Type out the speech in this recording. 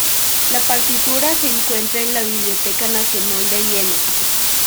La partitura se encuentra en la Biblioteca Nacional de Viena.